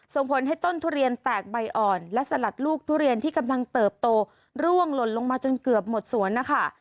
ส่งผลให้ต้นทุเรียนแตกใบอ่อนและสลัดลูกทุเรียนที่กำลังเติบโตร่วงหล่นลงมาจนเกือบหมดสวนนะคะ